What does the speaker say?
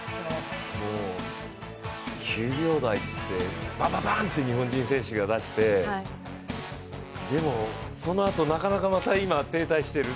もう９秒台って、バババンって日本人選手が出して、でもそのあと、なかなかまた今、停滞してる。